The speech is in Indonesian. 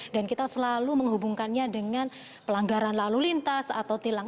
dan kita selalu menghubungkannya dengan pelanggaran lalu lintas atau tilang